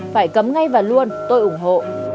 phải cấm ngay và luôn tôi ủng hộ